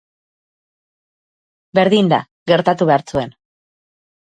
Berdin da, gertatu behar zuen.